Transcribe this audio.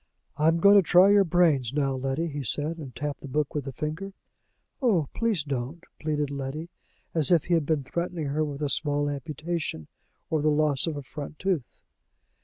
"I am going to try your brains now, Letty," he said, and tapped the book with a finger. "Oh, please don't!" pleaded Letty, as if he had been threatening her with a small amputation, or the loss of a front tooth.